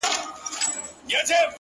ولي مي هره شېبه هر ساعت پر اور کړوې!!